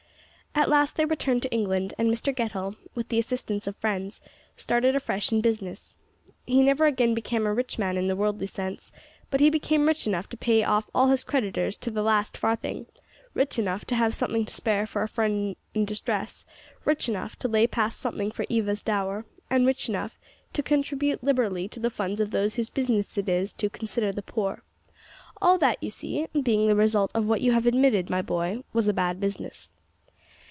At last they returned to England, and Mr Getall, with the assistance of friends, started afresh in business. He never again became a rich man in the worldly sense, but he became rich enough to pay off all his creditors to the last farthing; rich enough to have something to spare for a friend in distress; rich enough to lay past something for Eva's dower, and rich enough to contribute liberally to the funds of those whose business it is to `consider the poor.' All that, you see, being the result of what you have admitted, my boy, was a bad business."